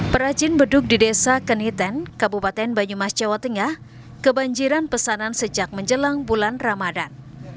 perajin beduk di desa keniten kabupaten banyumas jawa tengah kebanjiran pesanan sejak menjelang bulan ramadan